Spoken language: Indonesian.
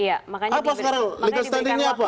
apa sekarang legal standingnya apa